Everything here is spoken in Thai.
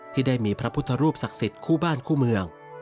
ที่ได้มีพระพุทธรูปศักดิ์สิทธิ์คู่บ้านคู่เมือง